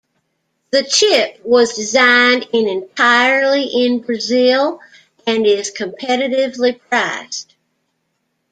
The chip was designed in entirely in Brazil and is competitively priced.